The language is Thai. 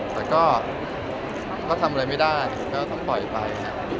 แต่ก็ทำอะไรไม่ได้ก็ต้องปล่อยไป